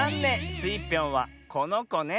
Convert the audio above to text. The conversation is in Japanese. スイぴょんはこのこね。